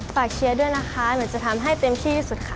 ฝากเชียร์ด้วยนะคะเหมือนจะทำให้เต็มที่ที่สุดค่ะ